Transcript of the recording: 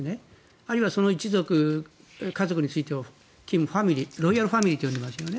あるいはその一族家族については金ファミリーロイヤルファミリーと呼んでますね。